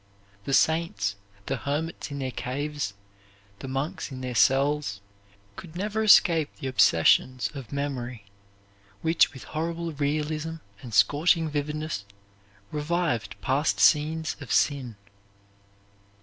The saints, the hermits in their caves, the monks in their cells, could never escape the obsessions of memory which with horrible realism and scorching vividness revived past scenes of sin.